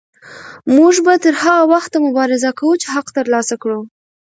موږ به تر هغه وخته مبارزه کوو چې حق ترلاسه کړو.